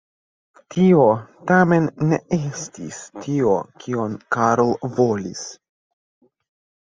Tio tamen ne estis tio kion Carl volis.